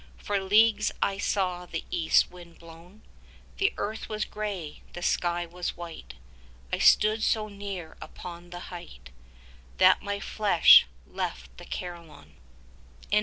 For leagues I saw the east wind blown: The earth was grey, the sky was white. I stood so near upon the height 35 That my flesh left the Carillon. D. G.